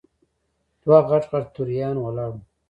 دوه غټ غټ توریان ولاړ وو.